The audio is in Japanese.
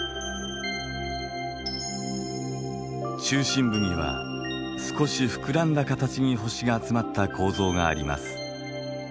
中心部には少し膨らんだ形に星が集まった構造があります。